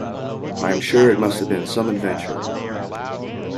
I am sure it must have been some adventure.